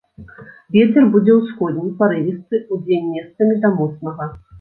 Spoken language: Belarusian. Вецер будзе ўсходні, парывісты, удзень месцамі да моцнага.